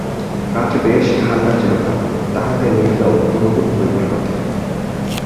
রাত্রে বেশ ঠাণ্ডা চিরকাল, তাহাতে নিদ্রা উত্তমরূপ হইবারই কথা।